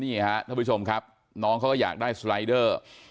ท่านผู้ชมครับน้องเขาก็อยากได้สไลเดอร์